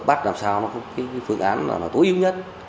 bắt làm sao phương án tối ưu nhất